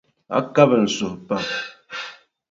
A kabi n suhu pam.